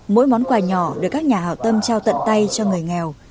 mỗi món quà nhỏ được các nhà hảo tâm trao tận tay cho người nghèo